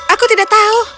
aku tidak tahu